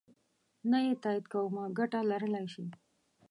نه یې تایید کومه ګټه لرلای شي.